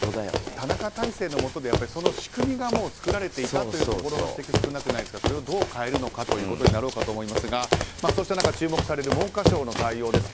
田中体制のもとでその仕組みが作られていたという指摘は少なくないですがそれをどう変えるのかというところになろうかと思いますがそうした中、注目される文科省の対応です。